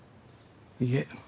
いえ。